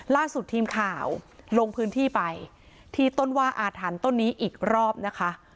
ล่าสุดทีมข่าวลงพื้นที่ไปที่ต้นว่าอาถรรพ์ต้นนี้อีกรอบนะคะ